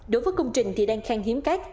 đối với công trình thì đang khang hiếm cát